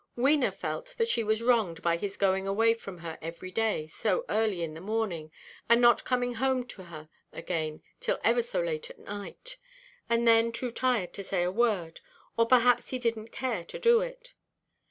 Wena felt that she was wronged by his going away from her every day so early in the morning, and not coming home to her again till ever so late at night, and then too tired to say a word, or perhaps he didnʼt care to do it.